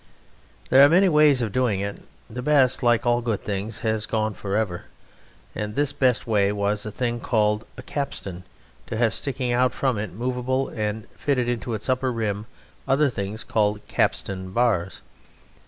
There are many ways of doing it. The best, like all good things, has gone for ever, and this best way was for a thing called a capstan to have sticking out from it, movable, and fitted into its upper rim, other things called capstan bars.